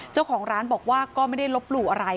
เจ้าของร้านบอกว่าก็ไม่ได้ลบหลู่อะไร